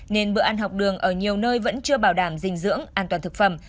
nên bữa ăn học đường ở nhiều nơi vẫn chưa bảo đảm dinh dưỡng an toàn thực phẩm